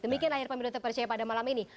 demikian lahir pemilu tepersia pada malam ini